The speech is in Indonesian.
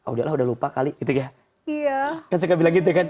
udah lupa kali